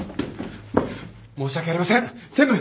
申し訳ありません専務！